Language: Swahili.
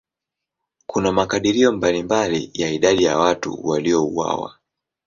Kuna makadirio mbalimbali ya idadi ya watu waliouawa.